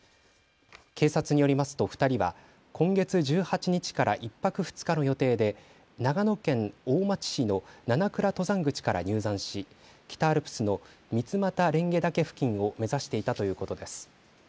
警察によりますと２人は今月１８日から１泊２日の予定で長野県大町市の七倉登山口から入山し北アルプスの三俣蓮華岳付近を目指していたということです。